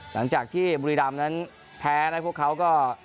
หลังจากที่บุรีรำนั้นแพ้นะพวกเขาก็